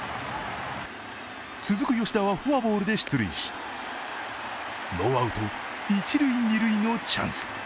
続く吉田はフォアボールで出塁し、ノーアウト一・二塁のチャンス。